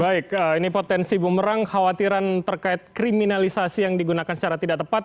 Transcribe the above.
baik ini potensi bumerang khawatiran terkait kriminalisasi yang digunakan secara tidak tepat